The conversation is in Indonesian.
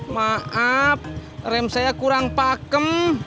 maaf rem saya kurang pakem